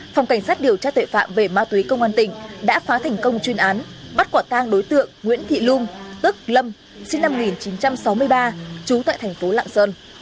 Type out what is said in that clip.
phòng cảnh sát điều tra tội phạm về ma túy công an tỉnh đã phá thành công chuyên án bắt quả tang đối tượng nguyễn thị lung tức lâm sinh năm một nghìn chín trăm sáu mươi ba trú tại thành phố lạng sơn